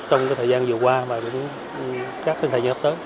trong thời gian vừa qua và các thời gian hấp tớ